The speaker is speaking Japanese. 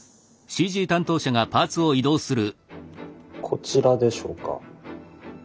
こちらでしょうか？